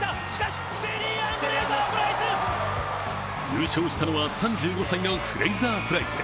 優勝したのは３５歳のフレイザー・プライス。